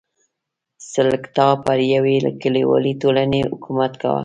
سلکتا پر یوې کلیوالې ټولنې حکومت کاوه.